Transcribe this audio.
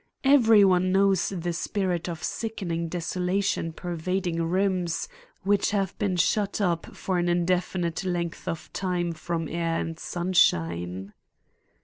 Every one knows the spirit of sickening desolation pervading rooms which have been shut up for an indefinite length of time from air and sunshine.